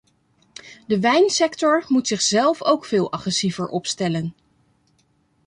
De wijnsector moet zich zelf ook veel agressiever opstellen.